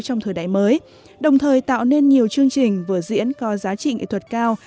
trong thời đại mới đồng thời tạo nên nhiều chương trình vừa diễn có giá trị nghệ thuật cao